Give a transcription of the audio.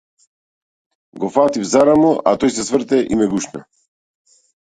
Го фатив за рамо, а тој се сврте и ме гушна.